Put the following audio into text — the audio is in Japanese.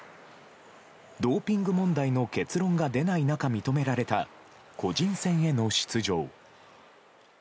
ドーピング問題の結論が出ない中認められた個人戦への出場。